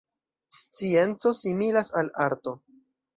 Scienco similas al arto.